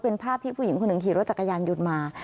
เป็นภาพที่ผู้หญิงคนหนึ่งขี่รถจักรยานยนต์มา